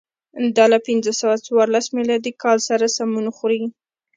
دا له پنځه سوه څوارلس میلادي کال سره سمون خوري.